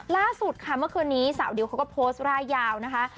ล่าสุดค่ะเมื่อคืนนี้สาวดิวเขาก็โพสต์ร่ายยาวนะคะ